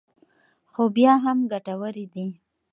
خو بیا هم ګټورې دي.